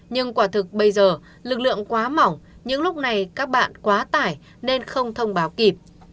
nhưng quả thực bây giờ lực lượng quá mỏng những lúc này các bạn quá tải nên không thông báo kịp